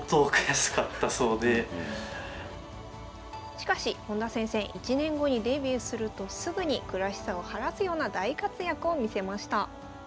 しかし本田先生１年後にデビューするとすぐに悔しさを晴らすような大活躍を見せました。